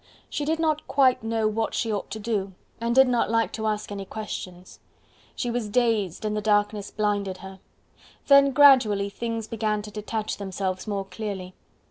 She did not quite know what she ought to do, and did not like to ask any questions: she was dazed and the darkness blinded her. Then gradually things began to detach themselves more clearly.